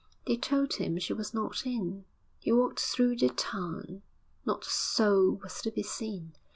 They told him she was not in. He walked through the town; not a soul was to be seen.